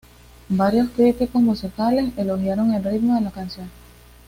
Varios críticos musicales elogiaron el ritmo de la canción.